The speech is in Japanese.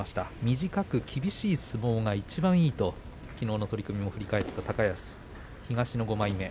短く厳しい相撲がいちばんいいときのうの取組を振り返った高安です、東の５枚目。